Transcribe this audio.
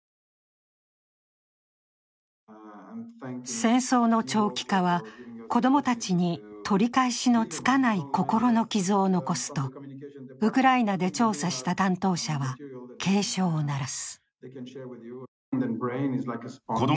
戦争の長期化は、子供たちに取り返しのつかない心の傷を残すとウクライナで調査した担当者は警鐘を鳴らす。